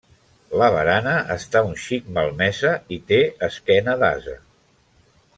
La barana està un xic malmesa i té esquena d'ase.